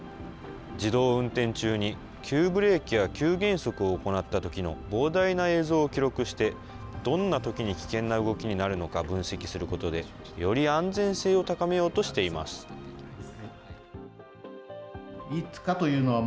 自動運転中に急ブレーキや急減速を行ったときの膨大な映像を記録して、どんなときに危険な動きになるのか分析することで、より安全性を高めようとしています。